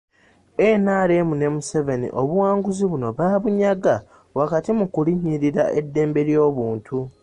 NRM ne Museveni obuwanguzi buno baabunyaga wakati mu kulinnyirira eddembe ly'obuntu.